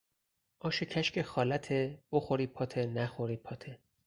آش کشک خالته، بخوری پاته نخوری پاته